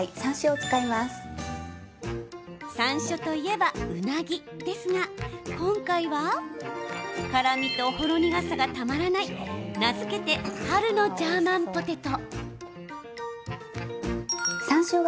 さんしょうといえばうなぎですが、今回は辛みと、ほろ苦さがたまらない名付けて春のジャーマンポテト。